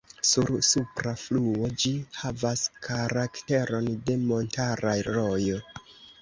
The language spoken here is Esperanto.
Sur supra fluo ĝi havas karakteron de montara rojo.